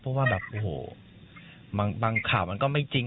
เพราะบางข่ามันก็ไม่จริง